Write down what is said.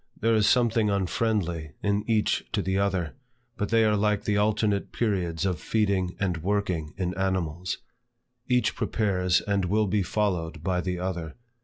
There is something unfriendly in each to the other, but they are like the alternate periods of feeding and working in animals; each prepares and will be followed by the other.